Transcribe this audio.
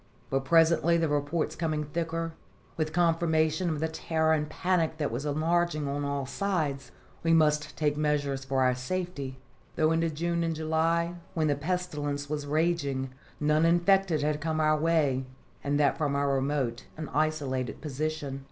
But presently the reports coming thicker, with confirmation of the terror and panic that was enlarging on all sides, we must take measures for our safety; though into June and July, when the pestilence was raging, none infected had come our way, and that from our remote and isolated position.